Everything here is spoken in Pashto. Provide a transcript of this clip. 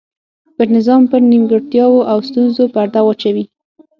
پر نظام پر نیمګړتیاوو او ستونزو پرده واچوي.